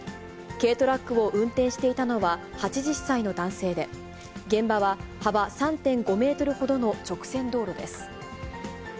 軽トラックを運転していたのは、８０歳の男性で、現場は幅３．５メートルほどの直線道路です。